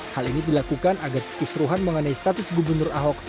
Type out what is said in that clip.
hal ini dilakukan agar kekisruhan mengenai statis gubernur ahok